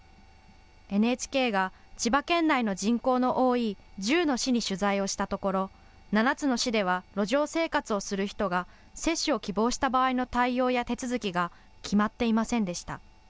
ＮＨＫが千葉県内の人口の多い１０の市に取材をしたところ、７つの市では路上生活をする人が接種を希望した場合の対応や手続きが決まっていませんでした。